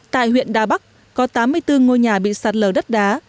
tại huyện đà bắc có tám mươi bốn ngôi nhà bị sạt lở đất đá